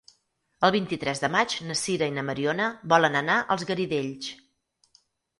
El vint-i-tres de maig na Sira i na Mariona volen anar als Garidells.